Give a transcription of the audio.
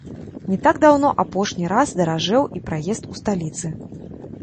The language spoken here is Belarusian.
Не так даўно апошні раз даражэў і праезд у сталіцы.